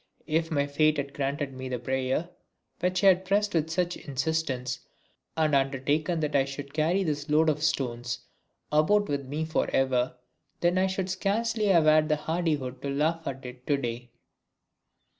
If my fate had granted me the prayer, which I had pressed with such insistence, and undertaken that I should carry this load of stones about with me for ever, then I should scarcely have had the hardihood to laugh at it to day.